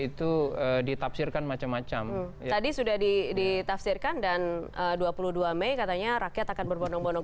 itu ditafsirkan macam macam tadi sudah ditafsirkan dan dua puluh dua mei katanya rakyat akan berbonong bonong